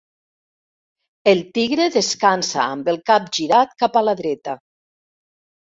El tigre descansa amb el cap girat cap a la dreta.